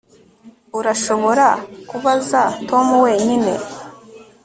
Urashobora kubaza Tom wenyine